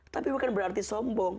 tapi bukan berarti sombong